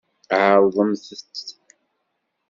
Ɛeṛḍemt-t.